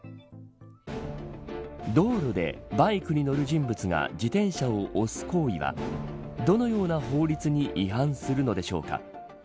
道路でバイクに乗る人物が自転車を押す行為はどのような法律に違反するのでしょうか。